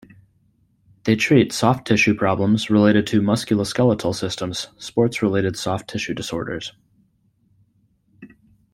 They treat soft tissue problems related to musculoskeletal system sports related soft tissue disorders.